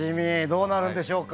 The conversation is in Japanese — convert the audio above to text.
どうなるんでしょうか？